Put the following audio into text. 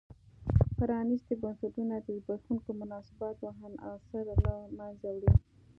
پرانیستي بنسټونه د زبېښونکو مناسباتو عناصر له منځه وړي.